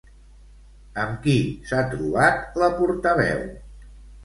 Amb qui s'ha trobat la portaveu?